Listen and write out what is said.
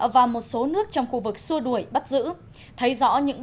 và một số nước trong khu vực xua đuổi bắt giữ